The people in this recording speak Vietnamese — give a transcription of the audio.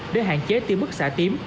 để hạn chế tiêm bức xạ tím